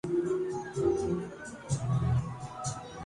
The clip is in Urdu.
اسیر لکھنوی کے متعلق کہا گیا ہے